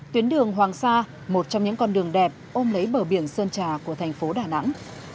tuyến đường hoàng sa một trong những con đường đẹp ôm lấy bờ biển sơn trà của thành phố đà nẵng